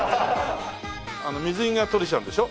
水着が取れちゃうんでしょ？